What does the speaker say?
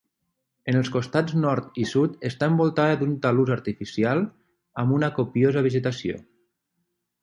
En els costats nord i sud està envoltada d'un talús artificial amb una copiosa vegetació.